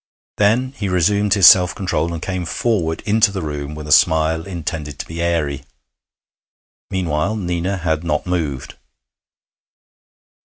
Then he resumed his self control and came forward into the room with a smile intended to be airy. Meanwhile Nina had not moved.